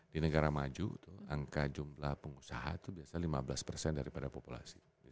di negara maju tuh angka jumlah pengusaha tuh biasanya lima belas daripada populasi